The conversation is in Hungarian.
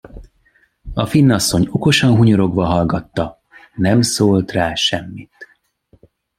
A finn asszony okosan hunyorogva hallgatta, nem szólt rá semmit.